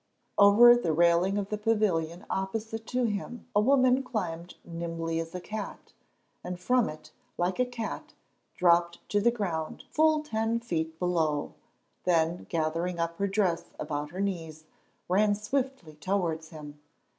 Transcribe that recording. Over the railing of the pavilion opposite to him a woman climbed nimbly as a cat, and from it, like a cat, dropped to the ground full ten feet below, then, gathering up her dress about her knees, ran swiftly towards him.